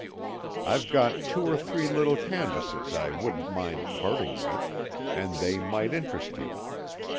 I've got two or three little canvases I wouldn't mind parting with, and they might interest you.